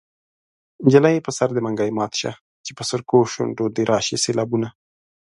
نجلۍ په سر دې منګی مات شه چې په سرکو شونډو دې راشي سېلابونه